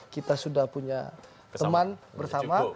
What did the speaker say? kita sudah punya teman bersama